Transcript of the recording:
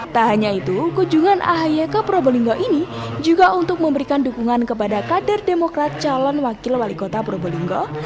tak hanya itu kunjungan ahi ke probolinggo ini juga untuk memberikan dukungan kepada kader demokrat calon wakil wali kota probolinggo